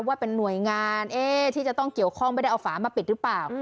ว่าเป็นหน่วยงานที่จะต้องเกี่ยวข้องไม่ได้เอาฝามาปิดหรือเปล่า